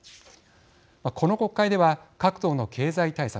この国会では、各党の経済対策